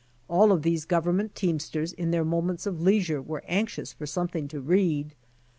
All of these government teamsters in their moments of leis ure were anxious for something to read.